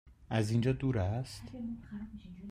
از اینجا دور است؟